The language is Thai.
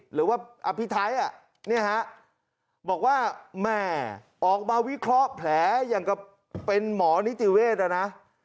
หรือว่าอภิไทยอ่ะเนี่ยฮะบอกว่าแหมออกมาวิเคราะห์แผลอย่างกับเป็นหมอนิติเวศด้วยน่ะนะ